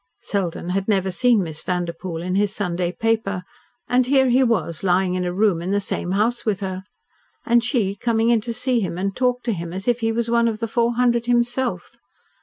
Selden had never seen Miss Vanderpoel in his Sunday paper, and here he was lying in a room in the same house with her. And she coming in to see him and talk to him as if he was one of the Four Hundred himself!